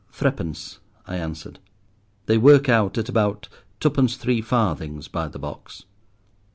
"Threepence," I answered. "They work out at about twopence three farthings by the box."